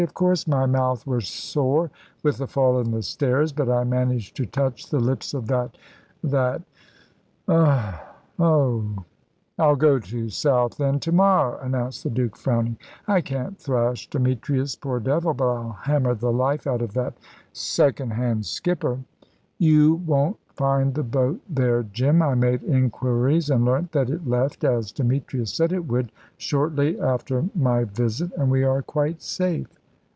"Of course, my mouth was sore with the fall on the stairs, but I managed to touch the lips of that that Ugh! ugh!" "I'll go to Southend to morrow," announced the Duke, frowning. "I can't thrash Demetrius, poor devil, but I'll hammer the life out of that second hand skipper." "You won't find the boat there, Jim. I made inquiries, and learnt that it left, as Demetrius said it would, shortly after my visit. And we are quite safe.